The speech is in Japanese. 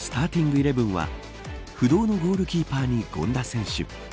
イレブンは不動のゴールキーパーに権田選手。